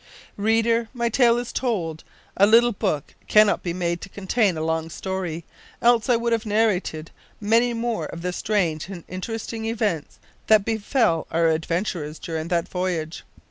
Reader, my tale is told. A little book cannot be made to contain a long story, else would I have narrated many more of the strange and interesting events that befell our adventurers during that voyage.